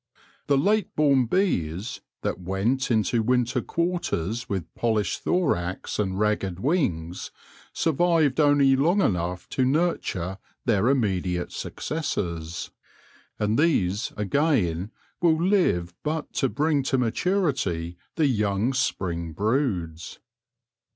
The late born bees, that went into winter quarters with polished thorax and ragged wings, survived only long enough to nurture their immediate successors ; and these, again, will live but to bring to maturity the young spring broods.